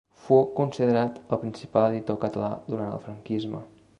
Fou considerat el principal editor català durant el franquisme.